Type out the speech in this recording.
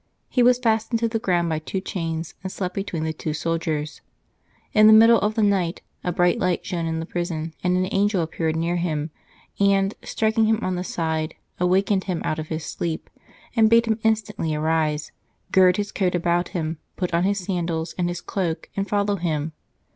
He was fastened to the ground by two chains, and slept between the two soldiers. In the middle of the night, a bright light shone in the prison, and an angel appeared near him, and, striking him on the side, awaked him out of his sleep, and bade him instantly arise, gird his coat about him, put on his sandals and his cloak, and follow him.